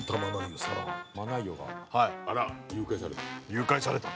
誘拐された。